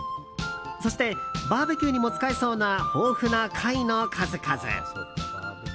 そしてバーベキューにも使えそうな豊富な貝の数々。